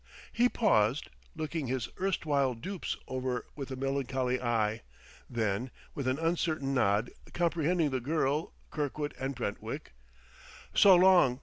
He paused, looking his erstwhile dupes over with a melancholy eye; then, with an uncertain nod comprehending the girl, Kirkwood and Brentwick, "So long!"